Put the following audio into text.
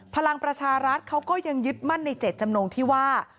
พลังประชารัฐเขาก็ยังยึดมั่นในเจ็ดจำนงที่ว่า